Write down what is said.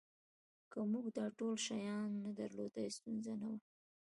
که موږ دا ټول شیان نه درلودل ستونزه نه وه